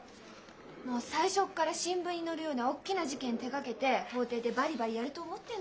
もう最初から新聞に載るような大きな事件手がけて法廷でバリバリやると思ってんのよね。